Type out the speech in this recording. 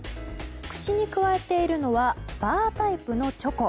口にくわえているのはバータイプのチョコ。